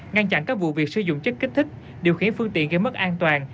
ngăn chặn các vụ việc sử dụng chất kích thích điều khiển phương tiện gây mất an toàn